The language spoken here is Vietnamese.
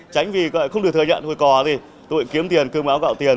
tránh vì không được thừa nhận thôi cò gì tôi kiếm tiền cơm áo gạo tiền